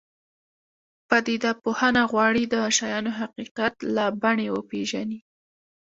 پدیده پوهنه غواړي د شیانو حقیقت له بڼې وپېژني.